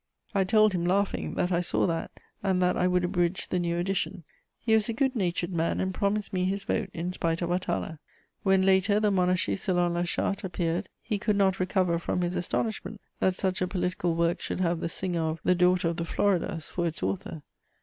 I told him, laughing, that I saw that, and that I would abridge the new edition. He was a good natured man and promised me his vote, in spite of Atala. When, later, the Monarchie selon la Charte appeared, he could not recover from his astonishment that such a political work should have the singer of "the daughter of the Floridas" for its author.